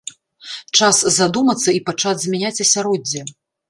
Час задумацца і пачаць змяняць асяроддзе!